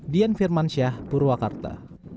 dian firmansyah purwakarta